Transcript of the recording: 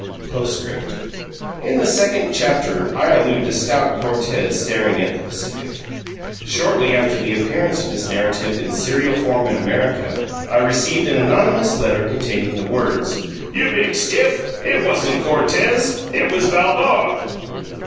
POSTSCRIPT. In the second chapter I allude to Stout Cortez staring at the Pacific. Shortly after the appearance of this narrative in serial form in America, I received an anonymous letter containing the words, "You big stiff, it wasn't Cortez, it was Balboa."